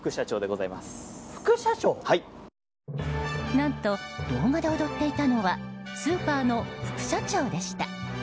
何と、動画で踊っていたのはスーパーの副社長でした。